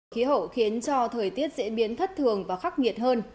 khí hậu khiến cho thời tiết diễn biến thất thường và khắc nghiệt hơn